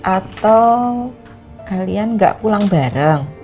atau kalian gak pulang bareng